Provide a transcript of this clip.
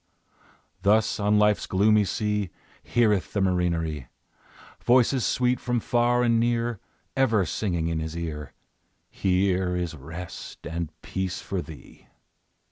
Thus, on Life's gloomy sea, Heareth the marinere Voices sweet, from far and near, Ever singing in his ear, "Here is rest and peace for thee."